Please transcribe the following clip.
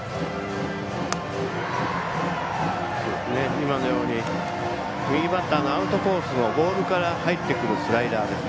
今のように右バッターのアウトコースのボールから入ってくるスライダー。